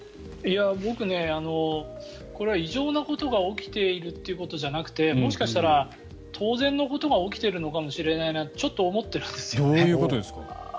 僕、これは異常なことが起きているということじゃなくてもしかしたら、当然のことが起きているのかもしれないなとちょっと思ってます。